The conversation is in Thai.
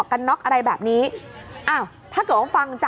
ก็ไม่มีอำนาจ